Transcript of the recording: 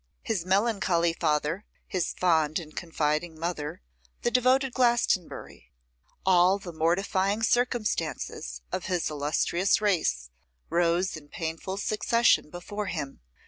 His melancholy father, his fond and confiding mother, the devoted Glastonbury, all the mortifying circumstances of his illustrious race, rose in painful succession before him.